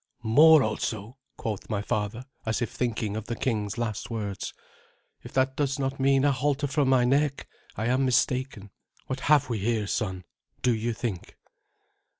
"More also!" quoth my father, as if thinking of the king's last words. "If that does not mean a halter for my neck, I am mistaken. What have we here, son, do you think?"